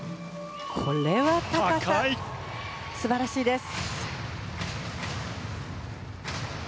これは高さ素晴らしいです。